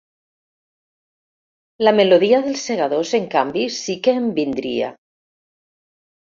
La melodia dels Segadors, en canvi, sí que em vindria.